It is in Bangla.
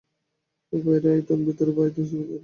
এই বাইরের আয়তন ও ভেতরের আয়তন হিসাবে মিলতে বাধ্য।